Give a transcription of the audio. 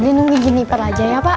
dabeli nunggi gini perlajanya pak